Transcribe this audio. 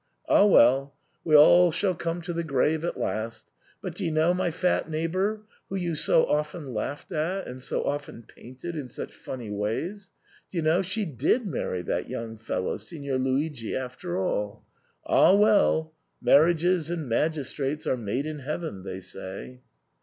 Ah well, we all shall come to the grave at last. But, d'ye know, my fat neighbour, who you so often laughed at and so often painted in such funny w^ays — d*ye know, she did marry that young fellow, Signor Luigi, after all. Ah well ! nozze e tnagistrati sono da dio destinati (marriages and magistrates are made in heaven) they say."